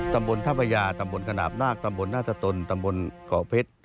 ตำบลท่าพระยาตำบลขนาดนาคตำบลนาตนตำบลเกาะเพชร